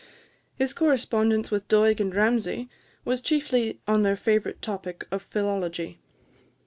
His correspondence with Doig and Ramsay was chiefly on their favourite topic of philology.